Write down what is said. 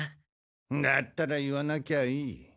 だったら言わなきゃいい。